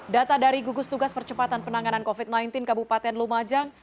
data dari gugus tugas percepatan penanganan covid sembilan belas kabupaten lumajang